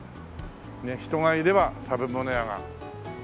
人がいれば食べ物屋が。